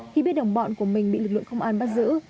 khi biết đồng bọn của mình bị lực lượng công an bắt giữ